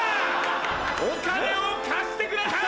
お金を貸してください！